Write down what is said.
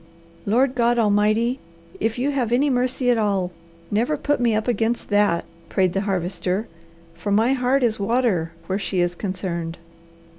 Lord God Almighty, if you have any mercy at all, never put me up against that," prayed the Harvester, "for my heart is water where she is concerned."